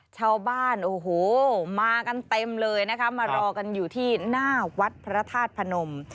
ชาวบ้านโอ้โหมากันเต็มเลยนะคะมารอกันอยู่ที่หน้าวัดพระธาตุพนม